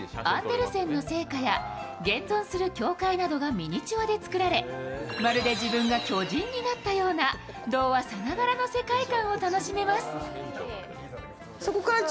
アンデルセンの生家や現存する教会などがミニチュアでつくられまるで自分が巨人になったかのような童話さながらの世界が楽しめます。